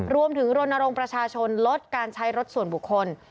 รวมถึงรณรงค์ประชาชนลดการใช้รถส่วนบุคคล